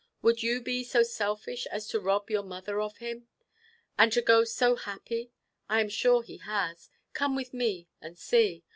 Would you be so selfish as to rob your mother of him? And to go so happy. I am sure he has. Come with me and see."